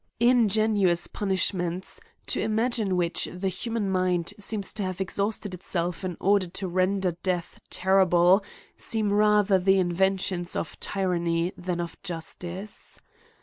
Ingenious punishments, to imagine which the human mind seems to have exhausted itself in order to render death terrible, seem rather the inventions of tyranny than of justice.